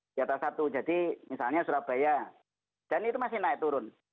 di atas satu jadi misalnya surabaya dan itu masih naik turun